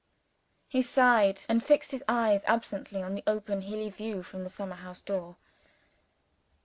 He sighed, and fixed his eyes absently on the open hilly view from the summer house door.